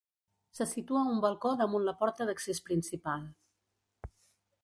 Se situa un balcó damunt la porta d'accés principal.